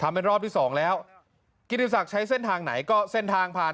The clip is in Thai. เป็นรอบที่สองแล้วกิติศักดิ์ใช้เส้นทางไหนก็เส้นทางผ่าน